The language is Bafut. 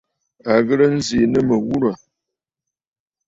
À ghɨ̀rə nzì nɨ mɨ̀ghurə̀.